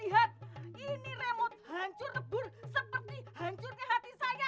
ini remote hancur lebur seperti hancurnya hati saya